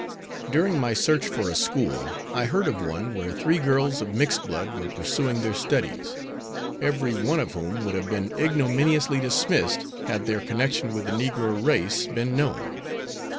During my search for a school I heard of one where three girls of mixed blood were pursuing their studies, every one of whom would have been ignominiously dismissed had their connection with the negro race been known.